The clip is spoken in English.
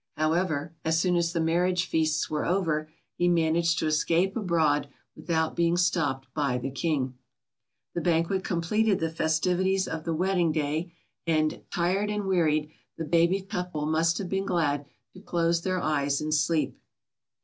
However, as soon as the marriage feasts were over, he managed to escape abroad without being stopped by the King. The banquet completed the festivities of the wedding day, and, tired and wearied, the baby couple must have been glad to close their eyes in sleep.